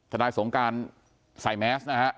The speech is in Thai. ทนายสงการใส่แมสนะฮะ